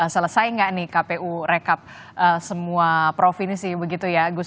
selesai nggak nih kpu rekap semua provinsi begitu ya gus